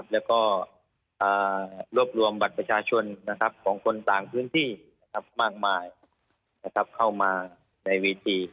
แล้วก็รวบรวมบัตรประชาชนของคนต่างพื้นที่มากมายเข้ามาในเวที